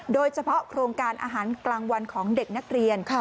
โครงการอาหารกลางวันของเด็กนักเรียน